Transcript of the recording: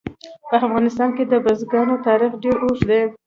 په افغانستان کې د بزګانو تاریخ ډېر اوږد دی.